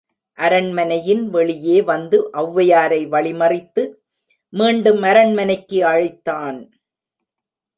அரண்மனையின் வெளியே வந்து ஒளவையாரை வழிமறித்து, மீண்டும் அரண்மனைக்கு அழைத்தான்.